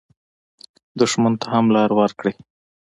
دښمن ته هم لار ورکړئ